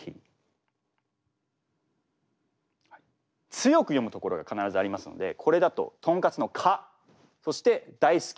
強く読む所が必ずありますのでこれだととんかつの「か」そしてだいすきの「す」ですね。